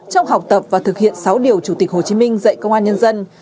trong học tập và thực hiện sáu điều chủ tịch hồ chí minh dạy công an nhân dân